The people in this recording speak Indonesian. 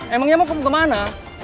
emangnya mau kemana